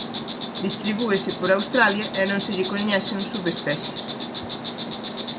Distribúese por Australia e non se lle coñecen subespecies.